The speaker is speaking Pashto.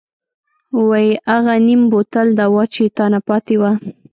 وۍ اغه نيم بوتل دوا چې تانه پاتې وه.